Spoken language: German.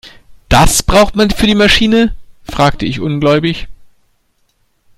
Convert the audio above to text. Das braucht man für die Maschine?, fragte ich ungläubig.